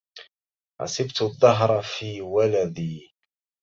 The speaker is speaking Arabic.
حسبت الدهر في ولدي